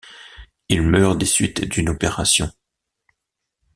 Il meurt des suites d'une opération.